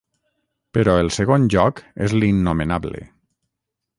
Però el segon joc és l'innomenable.